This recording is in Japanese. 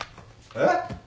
えっ？